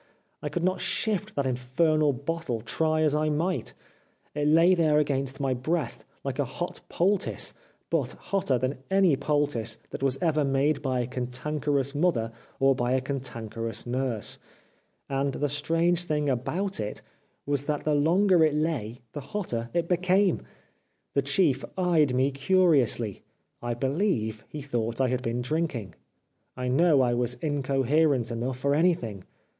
I could not shift that infernal bottle— try as I might. 394 The Life of Oscar Wilde It lay there against my breast like a hot poultice, but hotter than any poultice that was ever made by a cantankerous mother or by a cantankerous nurse. And the strange thing about it was that the longer it lay the hotter it became. The Chief eyed me curiously. I believe he thought I had been drinking. I know I was incoherent enough for anything.